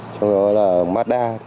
trong đó là mazda thì tám trăm linh